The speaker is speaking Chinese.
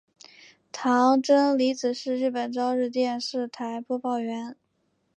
堂真理子是日本朝日电视台播报员。